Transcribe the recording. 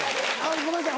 ごめんなさい